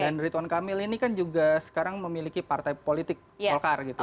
dan ridwan kamil ini kan juga sekarang memiliki partai politik polkar gitu ya